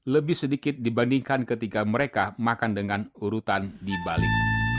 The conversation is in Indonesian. lebih sedikit dibandingkan ketika mereka makan dengan urutan dibalik